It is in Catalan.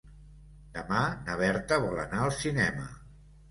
Demà na Berta vol anar al cinema.